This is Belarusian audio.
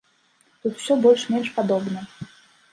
Тут усё больш-менш падобна.